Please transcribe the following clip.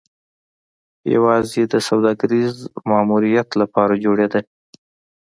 یوازې د سوداګریز ماموریت لپاره جوړېده.